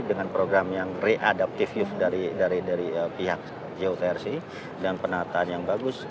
dengan program yang re adaptive youth dari pihak jotrc dan penataan yang bagus